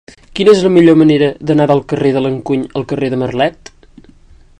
Quina és la millor manera d'anar del carrer de l'Encuny al carrer de Marlet?